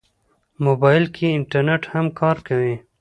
موبایل کې انټرنیټ هم کار کوي.